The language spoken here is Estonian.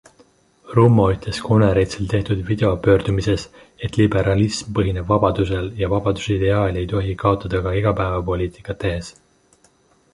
Rummo ütles konverentsil tehtud videopöördumises, et liberalism põhineb vabadusel ja vabaduse ideaali ei tohi kaotada ka igapäevapoliitikat tehes.